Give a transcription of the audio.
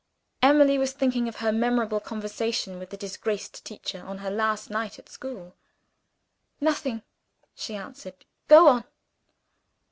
Emily was thinking of her memorable conversation with the disgraced teacher on her last night at school. "Nothing" she answered. "Go on."